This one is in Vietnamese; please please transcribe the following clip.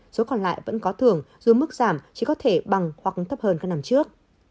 số còn lại vẫn có thưởng dù mức giảm chỉ có thể bằng hoặc thấp hơn các năm trước